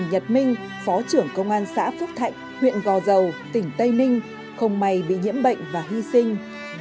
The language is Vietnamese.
nhật minh phó trưởng công an xã phước thạnh huyện gò dầu tỉnh tây ninh không may bị nhiễm bệnh và hy sinh